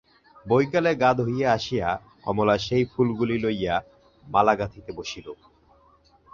বৈকালে গা ধুইয়া আসিয়া কমলা সেই ফুলগুলি লইয়া মালা গাঁথিতে বসিল।